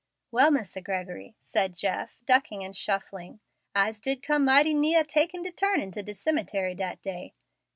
"Well, Misser Gregory," said Jeff, ducking and shuffling. "Ise did come mighty neah takin' de turnin' to de cem'try dat day.